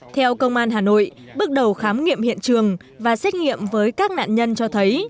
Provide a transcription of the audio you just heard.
theo công an hà nội bước đầu khám nghiệm hiện trường và xét nghiệm với các nạn nhân cho thấy